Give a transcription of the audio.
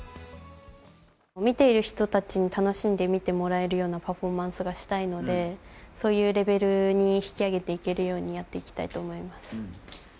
見ている人たちに楽しんで見てもらえるようなパフォーマンスがしたいので、そういうレベルに引き上げていけるようにやっていきたいと思います。